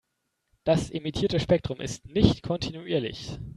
Das emittierte Spektrum ist nicht kontinuierlich.